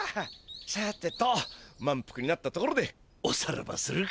さてとまんぷくになったところでおさらばするか。